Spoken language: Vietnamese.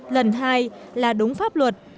lần hai là đúng pháp luật